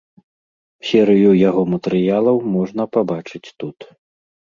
Серыю яго матэрыялаў можна пабачыць тут.